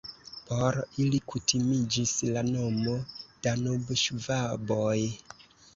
Por ili kutimiĝis la nomo "Danubŝvaboj".